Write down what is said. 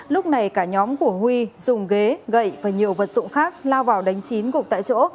lúc này cả nhóm của huy dùng ghế gậy và nhiều vật dụng khác lao vào đánh chín gục tại chỗ